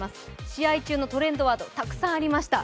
試合中のトレンドワードたくさんありました。